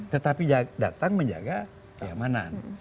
tetapi datang menjaga keamanan